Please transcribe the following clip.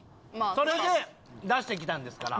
それで出してきたんですから。